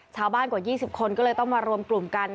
กว่า๒๐คนก็เลยต้องมารวมกลุ่มกัน